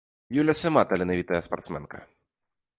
Юля сама таленавітая спартсменка.